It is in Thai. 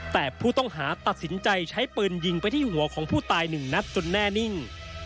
แต่ผู้ต้องหาตัดสินใจใช้ปืนยิงไปที่หัวของผู้ตายหนึ่งนัดจนแน่นิ่ง